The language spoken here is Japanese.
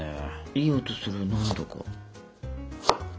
いい音する何だか。